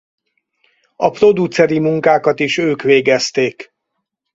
A produceri munkákat is ők végezték.